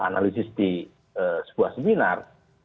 analisis di sebuah seminar